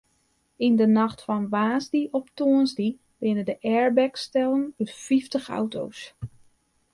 Yn de nacht fan woansdei op tongersdei binne de airbags stellen út fyftich auto's.